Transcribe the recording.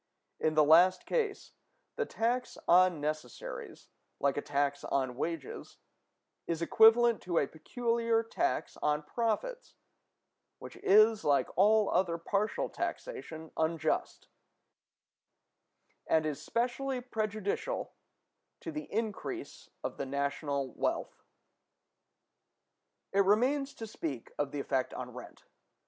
In the last case, the tax on necessaries, like a tax on wages, is equivalent to a peculiar tax on profits; which is, like all other partial taxation, unjust, and is specially prejudicial to the increase of the national wealth. It remains to speak of the effect on rent.